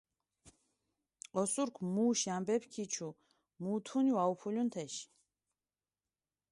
ოსურქ მუში ამბეფი ქიჩუ, მუთუნი ვაუფულუნ თეში.